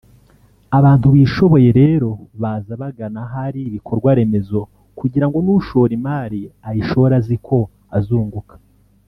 abantu bishoboye rero baza bagana ahari ibikorwa remezo kugira ngo n’ushora imari ayishore azi ko azunguka